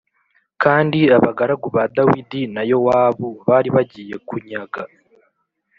Kandi abagaragu ba Dawidi na Yowabu bari bagiye kunyaga